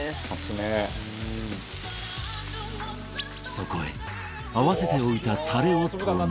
そこへ合わせておいたタレを投入